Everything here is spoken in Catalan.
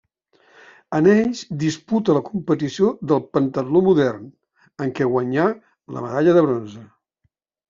En ells disputa la competició del pentatló modern, en què guanyà la medalla de bronze.